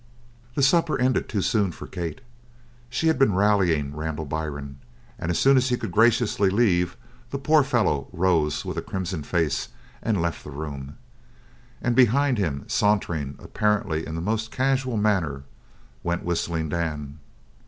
The supper ended too soon for Kate. She had been rallying Randall Byrne, and as soon as he could graciously leave, the poor fellow rose with a crimson face and left the room; and behind him, sauntering apparently in the most casual manner, went Whistling Dan.